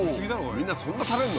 みんなそんな食べんの？